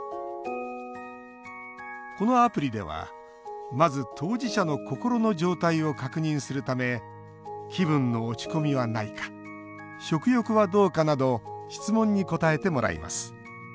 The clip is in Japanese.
このアプリでは、まず当事者の心の状態を確認するため気分の落ち込みはないか食欲はどうかなど質問に答えてもらいます。